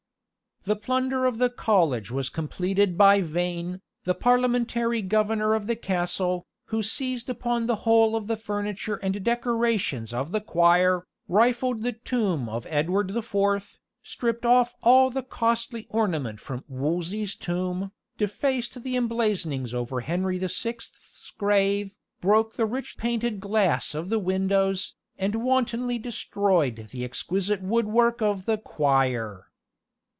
The plunder of the college was completed by Vane, the Parliamentary governor of the castle, who seized upon the whole of the furniture and decorations of the choir, rifled the tomb of Edward the Fourth, stripped off all the costly ornaments from Wolsey's tomb, defaced the emblazonings over Henry the Sixth's grave, broke the rich painted glass of the windows, and wantonly destroyed the exquisite woodwork of the choir.